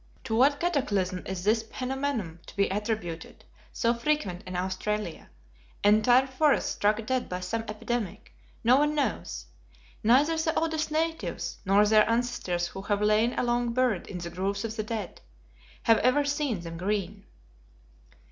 To what cataclysm is this phenomenon to be attributed, so frequent in Australia, entire forests struck dead by some epidemic; no one knows; neither the oldest natives, nor their ancestors who have lain long buried in the groves of the dead, have ever seen them green.